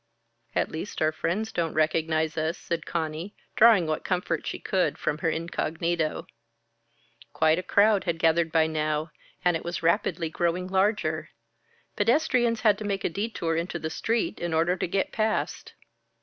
"At least our friends don't recognize us," said Conny, drawing what comfort she could from her incognito. Quite a crowd had gathered by now, and it was rapidly growing larger. Pedestrians had to make a detour into the street in order to get past.